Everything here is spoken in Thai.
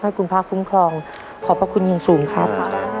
ให้คุณพระคุ้มครองขอบพระคุณอย่างสูงครับ